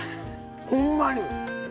ほんまに。